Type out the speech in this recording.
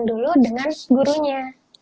dulu dengan gurunya